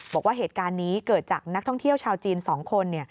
บอกว่าเหตุการณ์นี้เกิดจากนักท่องเที่ยวชาวจีน๒คน